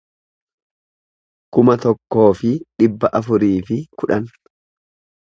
kuma tokkoo fi dhibba afurii fi kudhan